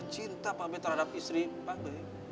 kita cinta pak b terhadap istri pak b